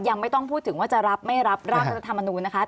ยังไม่ต้องพูดถึงว่าจะรับไม่รับร่างรัฐธรรมนูญนะคะ